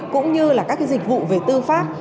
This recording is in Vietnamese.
cũng như là các cái dịch vụ về tư pháp